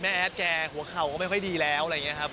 แอดแกหัวเข่าก็ไม่ค่อยดีแล้วอะไรอย่างนี้ครับ